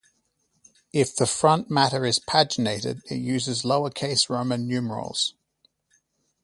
If the front matter is paginated, it uses lowercase Roman numerals.